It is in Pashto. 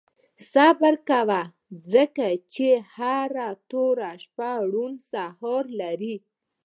• صبر کوه، ځکه چې هره توره شپه روڼ سهار لري.